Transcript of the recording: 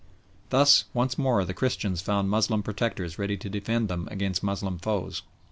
Thus once more the Christians found Moslem protectors ready to defend them against Moslem foes.